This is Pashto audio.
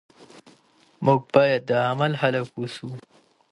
موږ باید د عمل خلک اوسو.